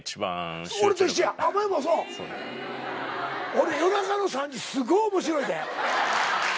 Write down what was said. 俺夜中の３時すごい面白いで。